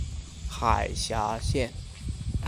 海峡线。